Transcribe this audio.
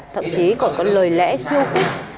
thậm chí còn có lời lẽ thiêu cục